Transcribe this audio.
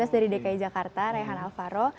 dua ribu sembilan belas dari dki jakarta reyhan alvaro